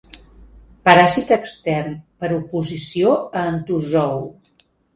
Paràsit extern, per oposició a entozou.